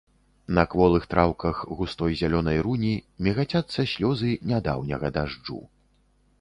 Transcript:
На кволых траўках густой зялёнай руні мігацяцца слёзы нядаўняга дажджу.